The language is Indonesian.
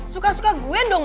suka suka gue dong